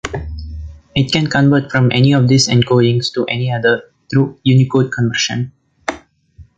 It can convert from any of these encodings to any other, through Unicode conversion.